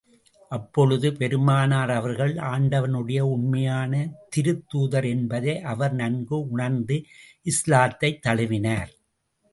அப்பொழுதே, பெருமானார் அவர்கள் ஆண்டவனுடைய உண்மையான திருத்தூதர் என்பதை அவர் நன்கு உணர்ந்து, இஸ்லாத்தைத் தழுவினார்.